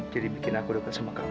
kenapa dengan meja itu bekas